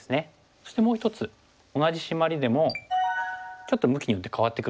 そしてもう１つ同じシマリでもちょっと向きによって変わってくるんですね。